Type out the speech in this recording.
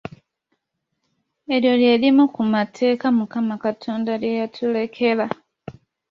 Eryo lye limu ku mateeka Mukama Katonda lye yatulekera.